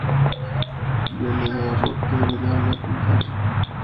Jo le dice a Ruth que debería hablar con Harry.